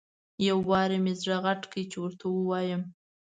یو وارې مې زړه غټ کړ چې ورته ووایم.